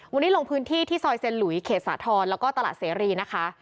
วันนี้ลงพื้นที่ที่ซอยเซ็นหลุยเขตสาธรณ์แล้วก็ตลาดเสรีนะคะ